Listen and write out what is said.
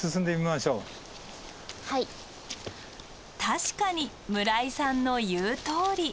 確かに村井さんの言うとおり。